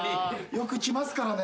よく来ますからね。